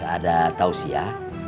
gak ada taus ya